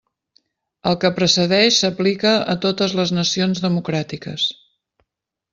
El que precedeix s'aplica a totes les nacions democràtiques.